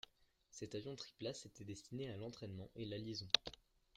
Cet avion triplace était destiné à l’entraînement et la liaison.